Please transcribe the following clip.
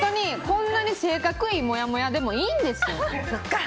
こんなに性格いいもやもやでもいいんです。